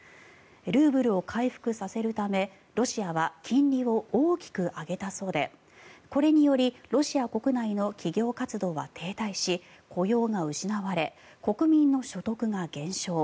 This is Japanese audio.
ルーブルを回復させるためロシアは金利を大きく上げたそうでこれによりロシア国内の企業活動は停滞し雇用が失われ国民の所得が減少。